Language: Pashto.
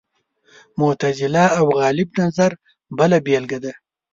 معتزله او غالب نظر بله بېلګه ده